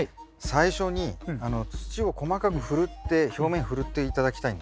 最初に土を細かくふるって表面ふるって頂きたいんです。